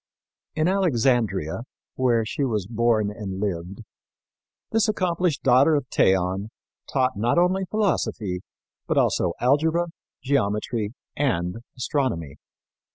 In Alexandria, where she was born and lived, this accomplished daughter of Theon taught not only philosophy, but also algebra, geometry and astronomy.